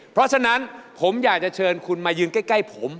เพราะฉะนั้นผมอยากจะเชิญคุณมายืนใกล้ผม